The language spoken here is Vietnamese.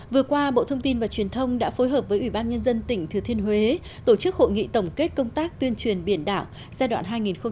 vừa qua bộ thông tin và truyền thông đã phối hợp với ủy ban nhân dân tỉnh thừa thiên huế tổ chức hội nghị tổng kết công tác tuyên truyền biển đảo giai đoạn hai nghìn một mươi chín hai nghìn hai mươi